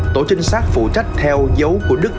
tổ trinh sát phụ trách theo dấu của nguyễn hoàng minh đức